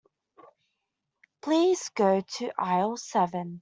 Please go to aisle seven.